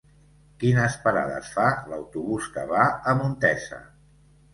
Quines parades fa l'autobús que va a Montesa?